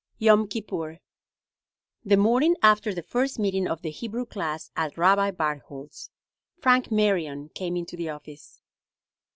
"YOM KIPPUR." THE morning after the first meeting of the Hebrew class at Rabbi Barthold's, Frank Marion came into the office.